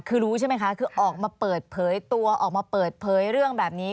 คือรู้ใช่ไหมคะคือออกมาเปิดเผยตัวออกมาเปิดเผยเรื่องแบบนี้